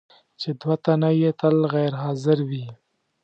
چې دوه تنه یې تل غیر حاضر وي.